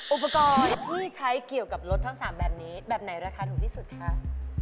อุปกรณ์ที่ใช้เกี่ยวกับรถทั้ง๓แบบนี้แบบไหนราคาถูกที่สุดคะ